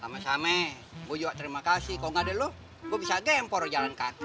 rame rame gue juga terima kasih kalau gak ada lo gue bisa gempor jalan kaki